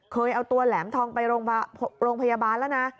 เคยเอาตัวแหลมทองไปโรงพยาบาลแล้วนะ